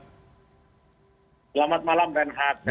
selamat malam reinhardt